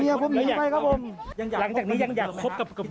อยากพูดอะไรถึงเมียบ้างครับ